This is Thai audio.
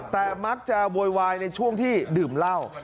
แต่มักจะโวยวายในช่วงที่ดื่มเหล้า